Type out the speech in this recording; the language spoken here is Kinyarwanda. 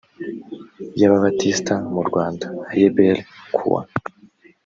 y ababatisita mu rwanda aebr kuwa